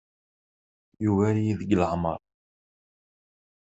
Yugar-iyi deg leɛmeṛ.